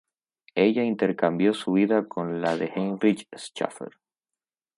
Ella intercambió su vida con la de Heinrich Schäfer.